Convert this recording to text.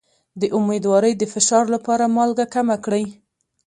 د امیدوارۍ د فشار لپاره مالګه کمه کړئ